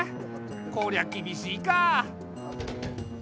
こりゃ厳しいか。